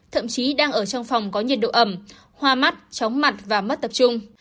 thậm chí đang ở trong phòng có nhiệt độ ẩm hoa mắt tróng mặt và mất tập trung